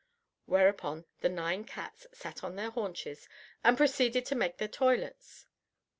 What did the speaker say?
Whereupon the nine cats sat on their haunches and proceeded to make their toilettes.